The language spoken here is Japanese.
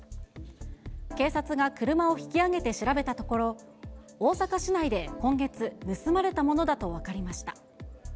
警察が車を引き揚げて調べたところ、大阪市内で今月、盗まれたものだと分かりました。